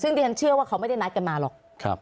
ซึ่งดิฉันเชื่อว่าเขาไม่ได้นัดกันมาหรอก